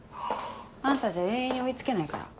あんたじゃ永遠に追い付けないから。